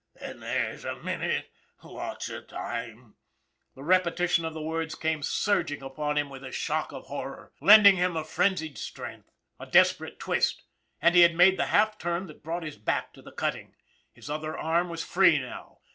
" Then there's a minute, lots of time !" The repetition of the words came surging upon him " WHERE'S HAGGERTY?" 273 with a shock of horror, lending him a frenzied strength. A desperate twist, and he had made the half turn that brought his back to the cutting. His other arm was free now.